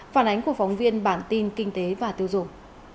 phản ánh của phóng viên bản tin kinh tế và tiêu dùng